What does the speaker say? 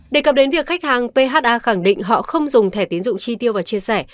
đề cập đến việc khách hàng pha khẳng định họ không dùng thẻ tiến dụng chi tiêu và chia sẻ